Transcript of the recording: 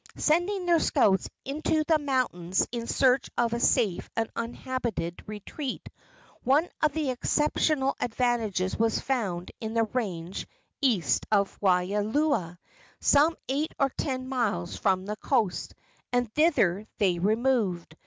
Sending their scouts into the mountains in search of a safe and uninhabited retreat, one of exceptional advantages was found in the range east of Waialua, some eight or ten miles from the coast, and thither they removed.